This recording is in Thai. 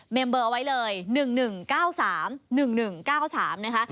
มเบอร์เอาไว้เลย๑๑๙๓๑๑๙๓นะคะ